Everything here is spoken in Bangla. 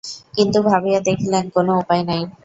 কিন্তু ভাবিয়া দেখিলেন, কোনো উপায় নাই।